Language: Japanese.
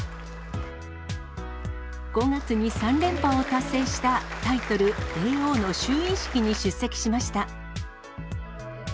５月に３連覇を達成したタイトル、叡王の就位式に出席しました。